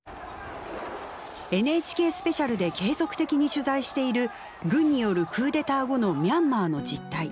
「ＮＨＫスペシャル」で継続的に取材している軍によるクーデター後のミャンマーの実態。